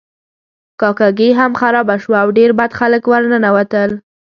کاکه ګي هم خرابه شوه او ډیر بد خلک ورننوتل.